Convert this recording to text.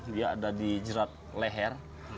dia ada dijerat leher